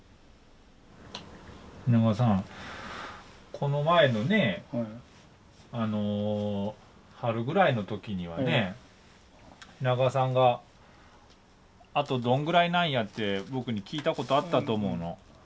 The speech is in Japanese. この前のねえ春ぐらいの時にはね品川さんが「あとどんぐらいなんや」って僕に聞いたことあったと思うの。